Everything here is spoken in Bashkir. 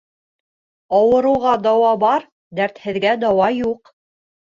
Ауырыуға дауа бар, дәртһеҙгә дауа юҡ.